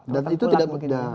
dan itu tidak mudah